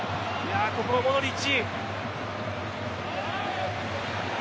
ここはモドリッチ。